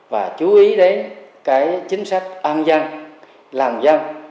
và chú ý đến cái chính sách an dân làm dân